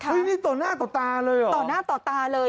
ต่อหน้าต่อตาเลยพี่เบิร์ทเราคือช่วยอะไรไม่ได้ด้วย